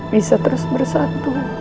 bisa terus bersatu